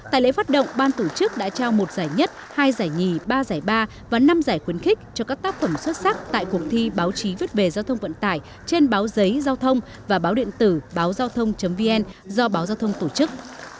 tại lễ phát động ban tổ chức đã trao một giải nhất hai giải nhì ba giải ba và năm giải khuyến khích cho các tác phẩm xuất sắc tại cuộc thi báo chí viết về giao thông vận tải trên báo giấy giao thông và báo điện tử báo giao thông vn do báo giao thông tổ chức